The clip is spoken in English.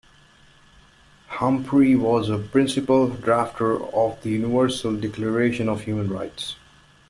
Humphrey was a principal drafter of the Universal Declaration of Human Rights.